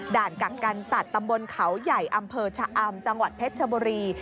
กักกันสัตว์ตำบลเขาใหญ่อำเภอชะอำจังหวัดเพชรชบุรี